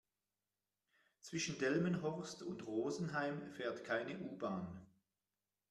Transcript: Zwischen Delmenhorst und Rosenheim fährt keine U-Bahn